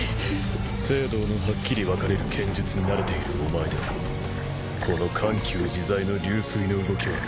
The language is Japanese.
静動のはっきり分かれる剣術に慣れているお前ではこの緩急自在の流水の動きはとらえられない。